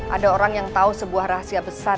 ada orang yang tahu sebuah rahasia besar